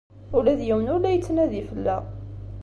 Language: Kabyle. Ula d yiwen ur la yettnadi fell-aɣ.